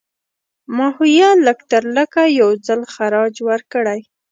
ماهویه لږترلږه یو ځل خراج ورکړی.